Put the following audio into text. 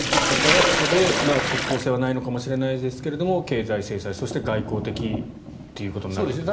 だから、そこで即効性はないかもしれないけど経済制裁そして外交的ということになると。